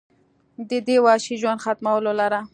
د دې وحشي ژوند ختمولو لره